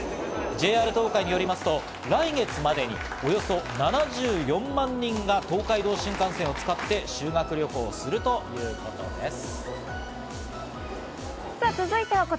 ＪＲ東海によりますと来月までにおよそ７４万人が東海道新幹線を使って修学旅行をするということです。